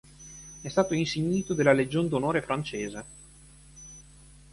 È stato insignito della legion d'onore francese.